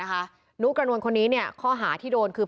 หนุกรณวลคนนี้เนี่ยข้อหาที่โดนคือ